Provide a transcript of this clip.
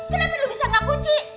kenapa lu bisa gak kunci